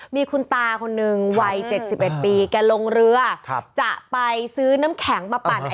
มีคุณตากลุ่มหนึ่ง